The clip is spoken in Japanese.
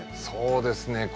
そうですね。